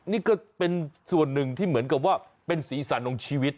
นี่ก็เป็นส่วนหนึ่งที่เหมือนกับว่าเป็นสีสันของชีวิต